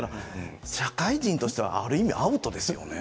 社会人としたらある意味アウトですよね。